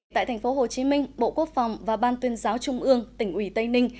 tại thành phố hồ chí minh bộ quốc phòng và ban tuyên giáo trung ương tỉnh ủy tây ninh